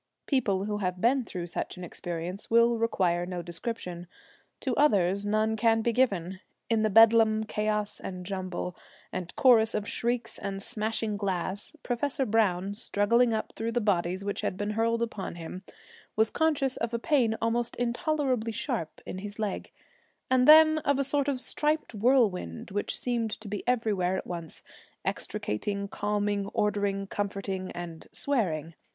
People who have been through such an experience will require no description. To others none can be given. In the bedlam chaos and jumble, and chorus of shrieks and smashing glass, Professor Browne, struggling up through the bodies which had been hurled upon him, was conscious of a pain almost intolerably sharp in his leg, and then of a sort of striped whirlwind which seemed to be everywhere at once, extricating, calming, ordering, comforting and swearing.